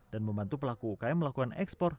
dan membantu pelaku ukm melakukan ekspor